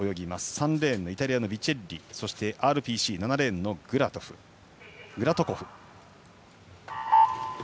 ３レーンのイタリアのビチェッリそして７レーン、グラトコフ。